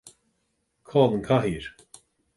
Cá bhfuil an chathaoir